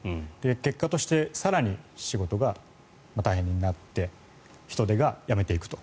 結果として更に仕事が大変になって人手が辞めていくと。